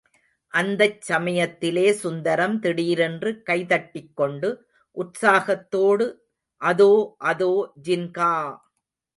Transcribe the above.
அந்தச் சமயத்திலே சுந்தரம் திடீரென்று கை தட்டிக்கொண்டு உற்சாகத்தோடு, அதோ, அதோ ஜின்கா!